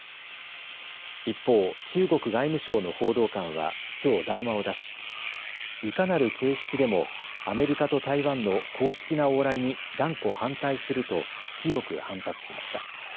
一方、中国外務省の報道官はきょう談話を出しいかなる形式でもアメリカと台湾の公式な往来に断固反対すると強く反発しました。